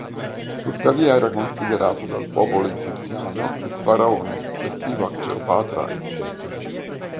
Tuttavia era considerato dal popolo egiziano il faraone successivo a Cleopatra e Cesare.